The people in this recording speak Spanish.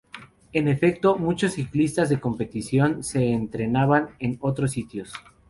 En efecto, muchos ciclistas de competición se entrenaban en otros sitios.